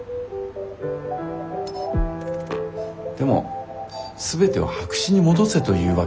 でも全てを白紙に戻せというわけではありません。